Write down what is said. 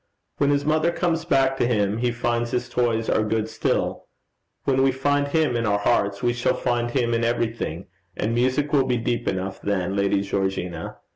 When his mother comes back to him he finds his toys are good still. When we find Him in our own hearts, we shall find him in everything, and music will be deep enough then, Lady Georgina.